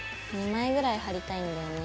２枚ぐらい貼りたいんだよね。